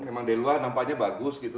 memang dari luar nampaknya bagus gitu